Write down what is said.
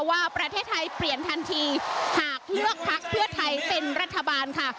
ว่าประเทศไทยเปลี่ยนทันทีหากเลือกพักเพื่อไทยเป็นรัฐบาลค่ะ